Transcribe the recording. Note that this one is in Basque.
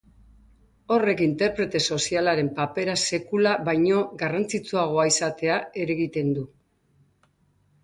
Horrek interprete sozialaren papera sekula baino garrantzitsuagoa izatea eragiten du.